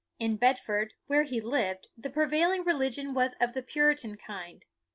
In Bedford, where he lived, the prevailing religion was of the Puritan kind.